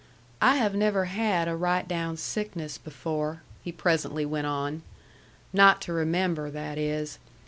"I have never had a right down sickness before," he presently went on. "Not to remember, that is.